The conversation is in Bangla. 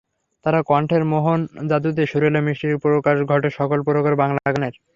যাঁর কণ্ঠের মোহন জাদুতে সুরেলা মিষ্টির প্রকাশ ঘটে সকল প্রকার বাংলা গানের।